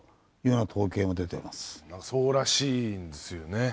なんかそうらしいんですよね。